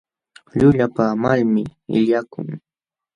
Llullapaamalmi illakun.